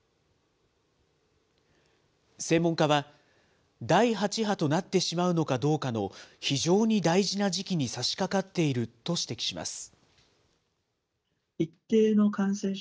専門家は、第８波となってしまうのかどうかの非常に大事な時期にさしかかっていると指摘します。